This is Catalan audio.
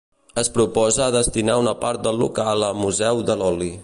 Es proposa destinar una part del local a museu de l'oli.